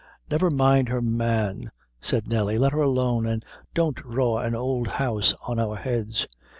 "Never mind her, man," said Nelly; "let her alone, an' don't draw an ould house on our heads.